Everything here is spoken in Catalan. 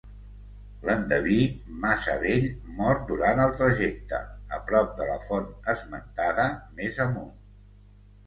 L'endeví, massa vell, mor durant el trajecte, a prop de la font esmentada més amunt.